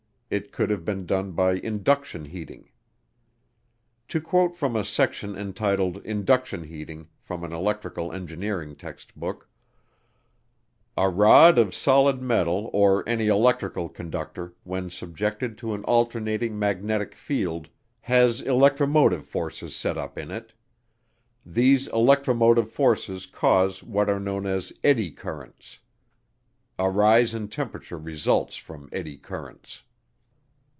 It could have been done by induction heating. To quote from a section entitled "Induction Heating" from an electrical engineering textbook: A rod of solid metal or any electrical conductor, when subjected to an alternating magnetic field, has electromotive forces set up in it. These electromotive forces cause what are known as "eddy currents." A rise in temperature results from "eddy currents."